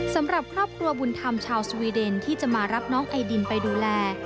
สำหรับครอบครัวบุญธรรมชาวสวีเดนที่จะมารับน้องไอดินไปดูแล